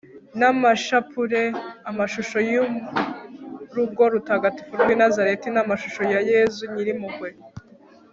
n'amashapure, amashusho y'urugo rutagatifu rw'i nazareti n'amashusho ya yezu nyirimpuhwe